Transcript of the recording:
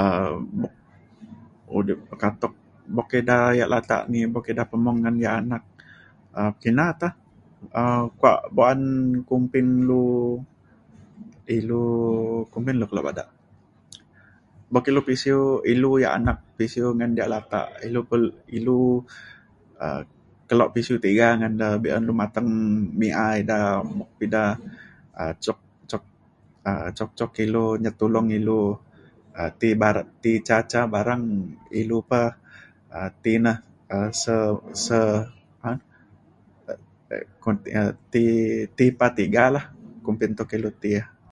um udip bekatuk boka eda ya' latak ni boka eda pemung ngan ya' anak um kina te um kuak ba'an kumpin lu ilu kumin lu keluk badak boka lu pisiu ilu ya' anak pisiu ngan da' latak ilu perlu ilu um keluk pisu tiga ngan da be'un lu mateng me'a eda bok eda um cuk cuk um cuk cuk ilu nyat tulung ilu um ti bara ti ca ca barang ilu pa um ti na um sa sa um um ti ti pa tiga la kumpin tuk ilu ti e.